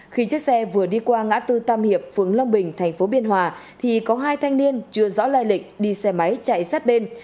khi chiếc xe vừa đi qua ngã tư tam hiệp phường long bình thành phố biên hòa thì có hai thanh niên chưa rõ lai lịch đi xe máy chạy sát bên